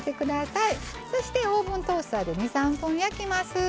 そしてオーブントースターで２３分焼きます。